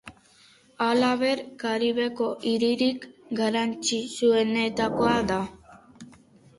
Halaber, Karibeko hiririk garrantzitsuenetakoa da.